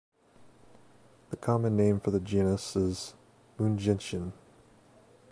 The common name for the genus is 'Moon-gentian'.